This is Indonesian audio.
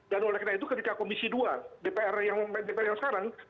dan oleh karena itu ketika komisi dua dpr yang sekarang